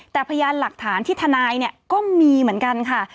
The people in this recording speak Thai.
แต่พยานหลักฐานที่ทนายเนี่ยก็มีเหมือนกันค่ะ